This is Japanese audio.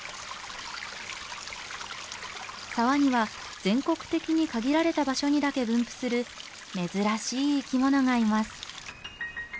沢には全国的に限られた場所にだけ分布する珍しい生き物がいます。